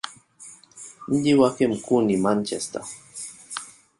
Mji wake mkuu ni Manchester.